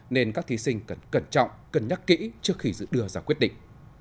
nên các thí sinh cần cẩn trọng cân nhắc kỹ trước khi dự đưa ra quyết định